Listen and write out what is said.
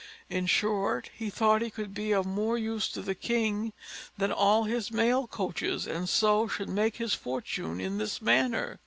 In short, he thought he could be of more use to the king than all his mail coaches, and so should make his fortune in this manner.